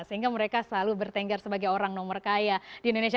sehingga mereka selalu bertenggar sebagai orang nomor kaya di indonesia